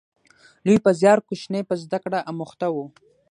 لوی په زیار، کوچنی په زده کړه اموخته و